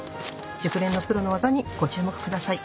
熟練のプロの技にご注目ください。